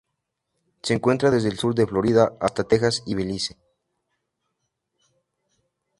Se encuentra desde el sur de Florida hasta Texas y Belice.